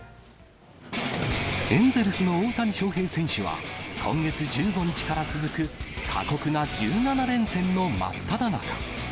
エンゼルスの大谷翔平選手は、今月１５日から続く過酷な１７連戦の真っただ中。